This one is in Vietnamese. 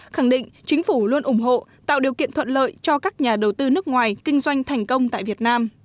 khẳng định chính phủ luôn ủng hộ tạo điều kiện thuận lợi cho các nhà đầu tư nước ngoài kinh doanh thành công tại việt nam